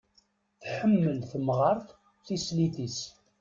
Tḥemmel temɣart tislit-is.